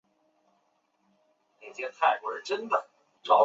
这项工程由中国承建。